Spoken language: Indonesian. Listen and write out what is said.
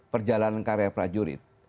perjalanan karya prajurit